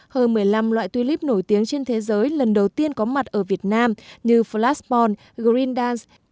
hơn một mươi năm loại tuy líp nổi tiếng trên thế giới lần đầu tiên có mặt ở việt nam như flashborn green dance